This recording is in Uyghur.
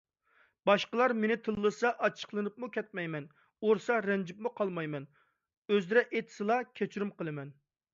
باشقىلار مېنى تىللىسا ئاچچىقلىنىپمۇ كەتمەيمەن. ئۇرسا رەنجىپمۇ قالمايمەن. ئۆزرە ئېيتسىلا، كەچۈرۈم قىلىمەن.